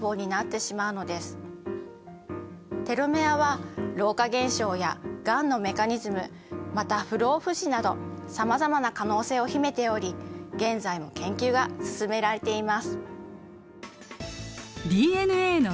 テロメアは老化現象やがんのメカニズムまた不老不死などさまざまな可能性を秘めており現在も研究が進められています。